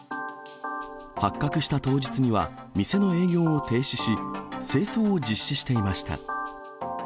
発覚した当日には、店の営業を停止し、清掃を実施していました。